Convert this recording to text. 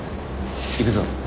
行くぞ。